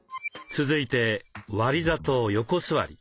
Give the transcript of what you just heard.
続いて割座と横座り。